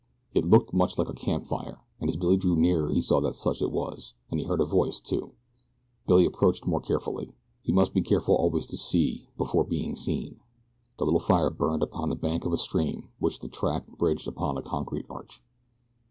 It looked much like a camp fire, and as Billy drew nearer he saw that such it was, and he heard a voice, too. Billy approached more carefully. He must be careful always to see before being seen. The little fire burned upon the bank of a stream which the track bridged upon a concrete arch.